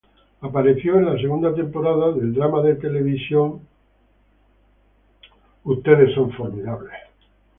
Apareció en la segunda temporada del drama de televisión de Showtime Sleeper Cell.